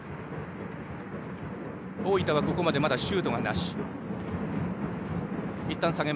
大分はここまでシュートなし。